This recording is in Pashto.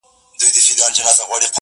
زه په دې خپل سركــي اوبـــه څـــښـمــه،